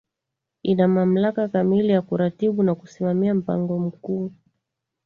Ina mamlaka kamili ya kuratibu na kusimamia Mpango Mkuu